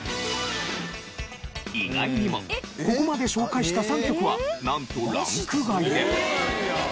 意外にもここまで紹介した３曲はなんとランク外で。